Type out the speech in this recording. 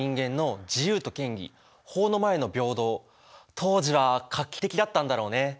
当時は画期的だったんだろうね。